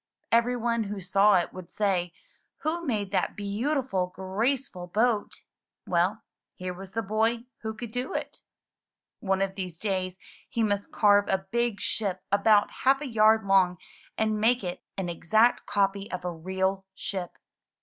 Every one who saw it would say, '*Who made that beautiful, graceful boat?" Well, here was the boy who could do it! One of these days he must carve a big ship about half a yard long and make it an exact copy of a real ship.